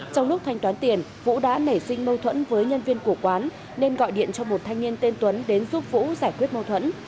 trong lúc thanh toán tiền vũ đã nảy sinh mâu thuẫn với nhân viên của quán nên gọi điện cho một thanh niên tên tuấn đến giúp vũ giải quyết mâu thuẫn